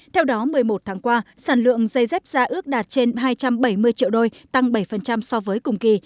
theo đó một mươi một tháng qua sản lượng dây dép da ước đạt trên hai trăm bảy mươi triệu đôi tăng bảy so với cùng kỳ